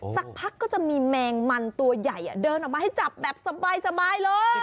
สักพักก็จะมีแมงมันตัวใหญ่เดินออกมาให้จับแบบสบายเลย